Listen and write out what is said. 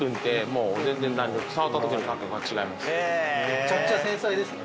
めちゃくちゃ繊細ですね。